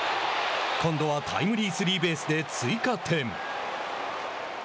今度はタイムリースリーベースで追加点。